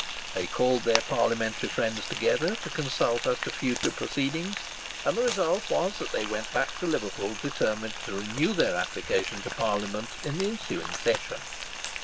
They called their parliamentary friends together to consult as to future proceedings; and the result was that they went back to Liverpool determined to renew their application to Parliament in the ensuing session.